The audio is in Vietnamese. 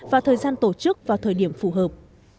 và thời gian tổ chức vào thời điểm phù hợp